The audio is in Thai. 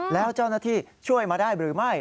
แล้วเจ้าหน้าที่ช่วยมาได้หรือไม่